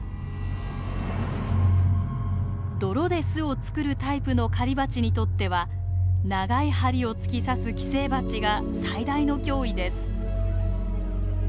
泥で巣を作るタイプの狩りバチにとっては長い針を突き刺す寄生バチが最大の脅威です。